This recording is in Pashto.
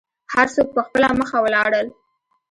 هر څوک په خپله مخه ولاړل.